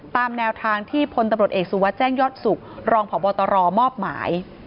ตามแนวทางที่พลตำรวจเอกสุวัสดิแจ้งยอดสุขรองพบตรมอบหมาย